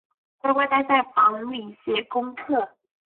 乖乖待在房里写功课